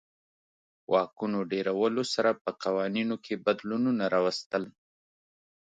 واکونو ډېرولو سره په قوانینو کې بدلونونه راوستل.